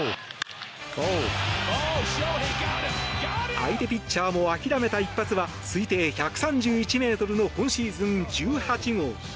相手ピッチャーも諦めた一発は推定１３１ｍの今シーズン１８号。